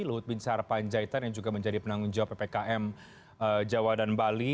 luhut bin sarpanjaitan yang juga menjadi penanggung jawab ppkm jawa dan bali